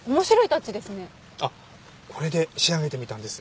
あっこれで仕上げてみたんです。